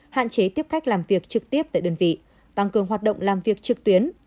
hạn chế tiếp cách làm việc trực tiếp tại đơn vị tăng cường hoạt động làm việc trực tuyến